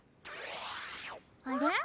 あれ？